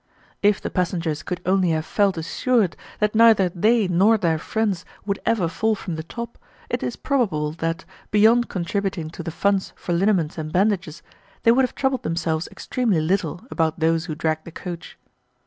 If the passengers could only have felt assured that neither they nor their friends would ever fall from the top, it is probable that, beyond contributing to the funds for liniments and bandages, they would have troubled themselves extremely little about those who dragged the coach.